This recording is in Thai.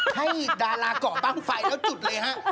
ให้ดาราก่อตั้งไฟแล้วจุดเลยฮะ